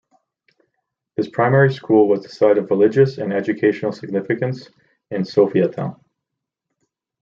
This primary school was the site of religious and educational significance in Sophiatown.